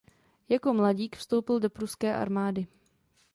Jako mladík vstoupil do pruské armády.